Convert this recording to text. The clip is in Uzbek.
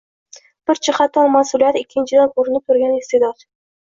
“Bir jihatdan ma’suliyat, ikkinchidan ko’rinib turgan iste’dod